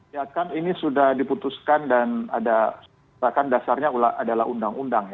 ya kan ini sudah diputuskan dan ada bahkan dasarnya adalah undang undang ya